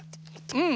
うん。